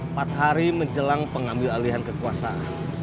empat hari menjelang pengambil alihan kekuasaan